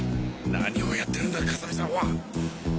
何をやってるんだ風見さんは。